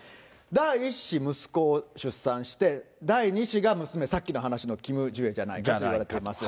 第１子、息子を出産して、第２子が娘、さっきの話のキム・ジュエじゃないかといわれています。